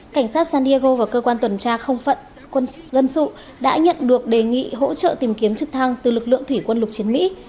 cảnh sát san diego và cơ quan tuần tra không phận quân dân sự đã nhận được đề nghị hỗ trợ tìm kiếm trực thăng từ lực lượng thủy quân lục chiến mỹ